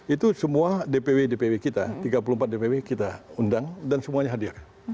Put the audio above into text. itu semua dpw dpw kita tiga puluh empat dpw kita undang dan semuanya hadir